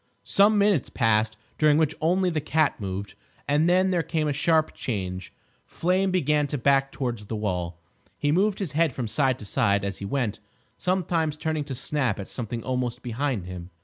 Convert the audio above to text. Some minutes passed, during which only the cat moved, and then there came a sharp change. Flame began to back towards the wall. He moved his head from side to side as he went, sometimes turning to snap at something almost behind him.